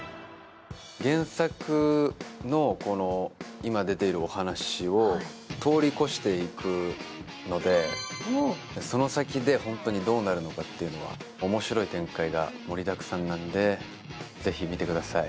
原作の話を通り越していくので、その先で本当にどうなるんだっていうのは面白い展開が盛りだくさんなのでぜひ見てください。